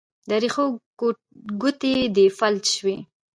د رېښو ګوتې دې فلج شوي